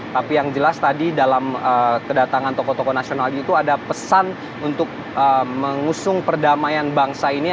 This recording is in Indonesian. tapi yang jelas tadi dalam kedatangan tokoh tokoh nasional itu ada pesan untuk mengusung perdamaian bangsa ini